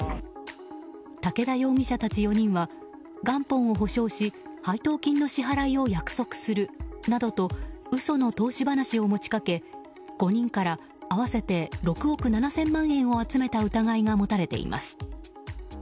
武田容疑者たち４人は元本を保証し配当金の支払いを約束するなどと嘘の投資話を持ち掛け５人から合わせて６億７０００万円を集めた疑いが持たれています。